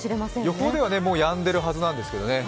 予報ではもうやんでるはずなんですけどね。